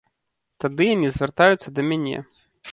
Тады яны звяртаюцца да мяне.